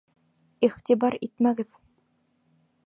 Иғтибар итмәгеҙ.